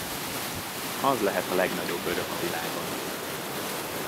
Az lehet a legnagyobb öröm a világon.